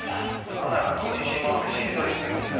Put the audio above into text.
世の中のおいしいものでしりとりしてくんだよ。